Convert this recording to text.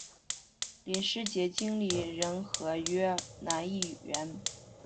林师杰经理人合约男艺员。